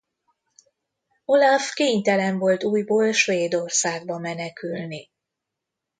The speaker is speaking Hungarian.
Olaf kénytelen volt újból Svédországba menekülni.